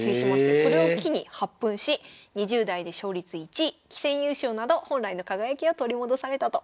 それを機に発奮し２０代で勝率１位棋戦優勝など本来の輝きを取り戻されたということです。